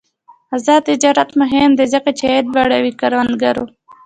آزاد تجارت مهم دی ځکه چې عاید لوړوي کروندګرو.